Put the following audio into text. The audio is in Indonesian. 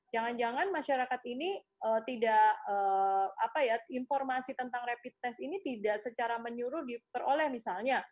jangan jangan masyarakat ini tidak informasi tentang rapid test ini tidak secara menyuruh diperoleh misalnya